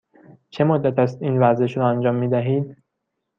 چه مدت است این ورزش را انجام می دهید؟